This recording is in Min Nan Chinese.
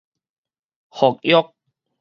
復育